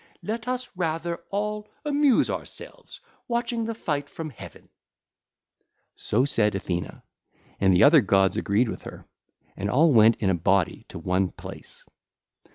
Let us rather all amuse ourselves watching the fight from heaven.' (ll. 197 198) So said Athena. And the other gods agreed with her, and all went in a body to one place.